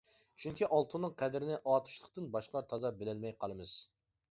چۈنكى ئالتۇننىڭ قەدرىنى ئاتۇشلۇقتىن باشقىلار تازا بىلەلمەي قالىمىز.